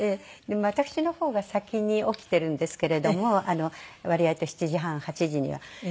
でも私の方が先に起きているんですけれども割合と７時半８時には。